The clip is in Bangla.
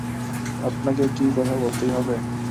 আপনাকে কি কথা বলতেই হবে?